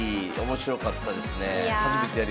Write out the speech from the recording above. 面白かったです。